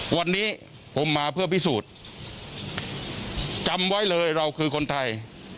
วันนี้ผมมาเพื่อพิสูจน์จำไว้เลยเราคือคนไทย